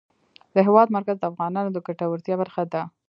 د هېواد مرکز د افغانانو د ګټورتیا برخه ده.